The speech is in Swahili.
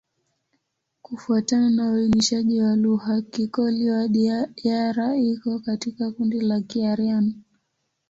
Kufuatana na uainishaji wa lugha, Kikoli-Wadiyara iko katika kundi la Kiaryan.